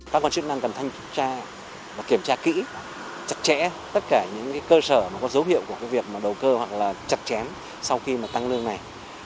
các con chức năng cần tham gia kiểm tra kỹ chặt chẽ tất cả những cơ sở có dấu hiệu của việc đầu cơ hoặc chặt chém sau khi tăng lương này